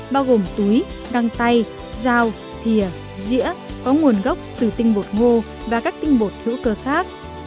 bao gồm túi găng tay dao thịa dĩa có nguồn gốc từ tinh bột ngô và các tinh bột hữu cơ khác